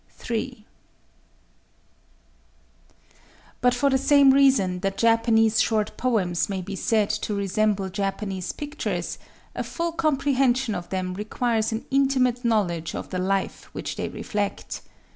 III But for the same reason that Japanese short poems may be said to resemble. Japanese pictures, a full comprehension of them requires an intimate knowledge of the life which they reflect.